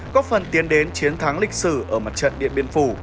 có phần tiến đến chiến thắng lịch sử ở mặt trận điện biên phủ